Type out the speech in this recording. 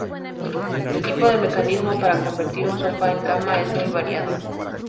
El tipo de mecanismos para convertir un sofá en cama es muy variado.